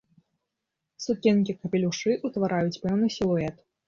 Сукенкі, капелюшы утвараюць пэўны сілуэт.